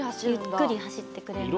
ゆっくり走ってくれます。